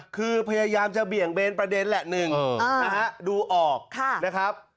คือพยายามจะเบี่ยงเบนประเด็นแหละหนึ่งนะฮะดูออกนะครับ